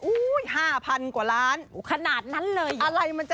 อุ๊ยห้าพันกว่าล้าน